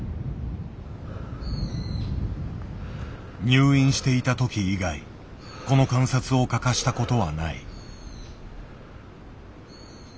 入院していたとき以外この観察を欠かしたことはない。